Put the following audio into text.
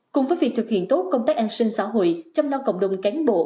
cùng với việc thực hiện tốt công tác an sinh xã hội chăm lo cộng đồng cán bộ